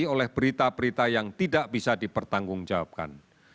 oleh berita berita yang tidak bisa dipertanggungjawabkan